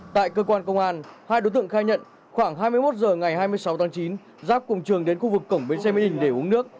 tại cơ quan công an hai đối tượng khai nhận khoảng hai mươi một h ngày hai mươi sáu tháng chín giáp cùng trường đến khu vực cổng bến xe mỹ đình để uống nước